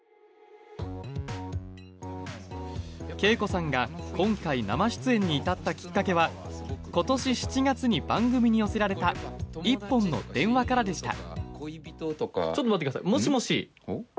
ＫＥＩＫＯさんが今回生出演に至ったきっかけは今年７月に番組に寄せられた一本の電話からでした。